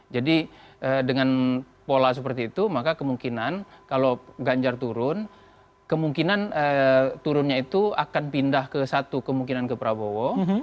jadi dengan pola seperti itu maka kemungkinan kalau ganjar turun kemungkinan turunnya itu akan pindah ke satu kemungkinan ke pranowo